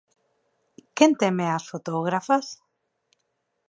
Quen teme as fotógrafas?